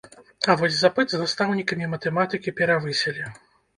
А вось запыт з настаўнікамі матэматыкі перавысілі.